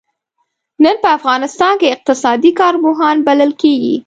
نن په افغانستان کې اقتصادي کارپوهان بلل کېږي.